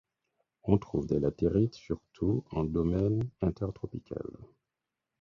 On trouve des latérites surtout en domaine intertropical.